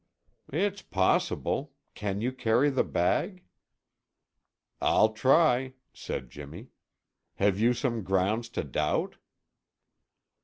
"It's possible. Can you carry the bag?" "I'll try," said Jimmy. "Have you some grounds to doubt?"